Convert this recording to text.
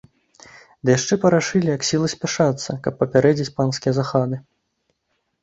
Ды яшчэ парашылі як сіла спяшацца, каб папярэдзіць панскія захады.